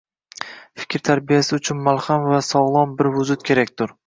Fikr tarbiyasi uchun mahkam va sog’lom bir vujud kerakdur